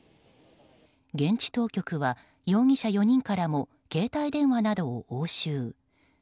現地当局は容疑者４人からも携帯電話などを押収。